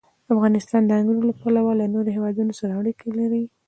افغانستان د انګورو له پلوه له نورو هېوادونو سره اړیکې لري.